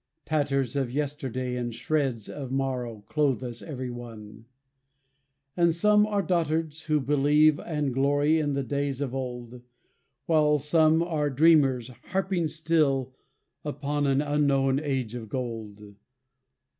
Tatters of yesterday and shreds Of morrow clothe us every one. And some are dotards, who believe And glory in the days of old; While some are dreamers, harping still Upon an unknown age of gold.